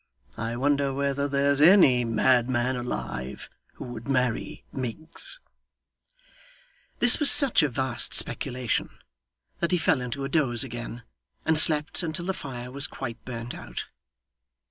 I wonder whether there's any madman alive, who would marry Miggs!' This was such a vast speculation that he fell into a doze again, and slept until the fire was quite burnt out.